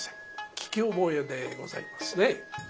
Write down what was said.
聞き覚えでございますね。